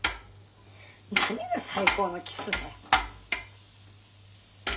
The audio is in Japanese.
何が最高のキスだよ。